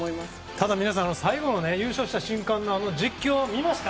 ただ皆さん、最後の優勝した瞬間のあの実況見ました？